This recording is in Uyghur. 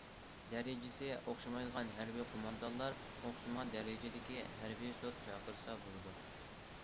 دەرىجىسى ئوخشىمايدىغان ھەربىي قوماندانلار ئوخشىمىغان دەرىجىدىكى ھەربىي سوت چاقىرسا بولىدۇ.